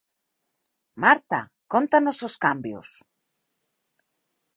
Marta, cóntanos os cambios.